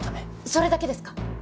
それだけですか？